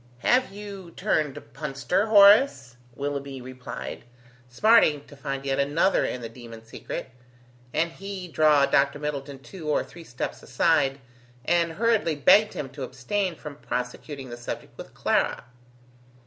"Have you turned punster, Horace?" Willoughby replied, smarting to find yet another in the demon secret, and he draw Dr. Middleton two or three steps aside, and hurriedly begged him to abstain from prosecuting the subject with Clara.